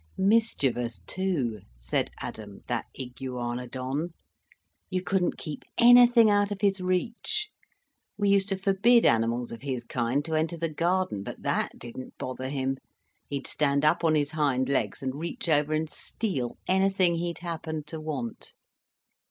"Mischievous, too," said Adam, "that Iguanadon. You couldn't keep anything out of his reach. We used to forbid animals of his kind to enter the garden, but that didn't bother him; he'd stand up on his hind legs and reach over and steal anything he'd happen to want."